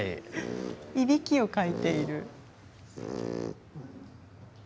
いびきをかいている。